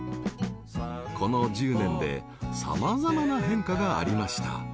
［この１０年で様々な変化がありました］